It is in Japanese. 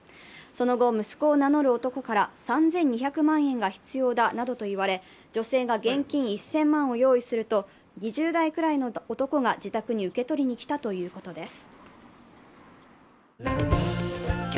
その後、息子を名乗る男から３２００万円が必要だなどと言われ、女性が現金１０００万を用意すると２０代くらいの男が自宅に受け取りに来たということです。